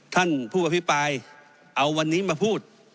ท่านผู้อภิปรายเอาวันนี้มาพูด